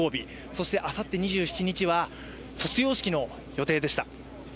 そして明後日２７日は卒業式の予定でした。